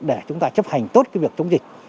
để chúng ta chấp hành tốt việc chống dịch